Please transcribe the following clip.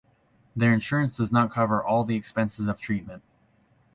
Their insurance does not cover all the expenses of treatment.